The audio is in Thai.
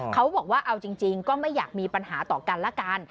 เขาบอกว่าเอาจริงก็ไม่อยากมีปัญหาต่อกันละกัน